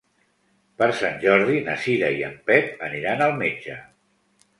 Per Sant Jordi na Cira i en Pep aniran al metge.